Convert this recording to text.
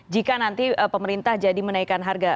jika nanti pemerintah jadi menaikkan harga